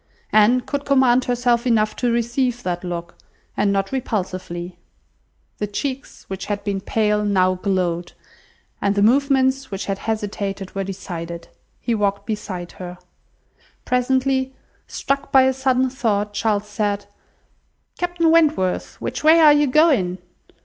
Anne could command herself enough to receive that look, and not repulsively. The cheeks which had been pale now glowed, and the movements which had hesitated were decided. He walked by her side. Presently, struck by a sudden thought, Charles said— "Captain Wentworth, which way are you going?